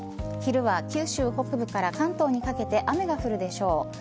昼は、九州北部から関東にかけて雨が降るでしょう。